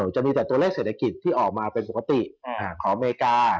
จะมีแต่ตัวเลขเศรษฐกิจที่ออกมาเป็นปกติของอเมริกา